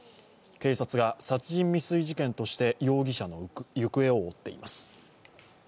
警察が殺人未遂事件として容疑者の行方を追っています。